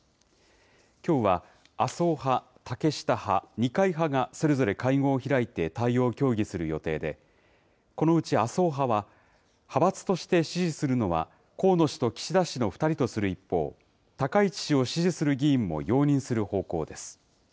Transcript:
きょうは麻生派、竹下派、二階派がそれぞれ会合を開いて対応を協議する予定で、このうち麻生派は、派閥として支持するのは、河野氏と岸田氏の２人とする一方、高市氏を支持する議員も容認する方向です。